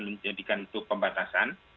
menjadikan untuk pembatasan